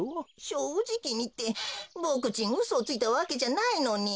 「しょうじきに」ってボクちんうそをついたわけじゃないのに。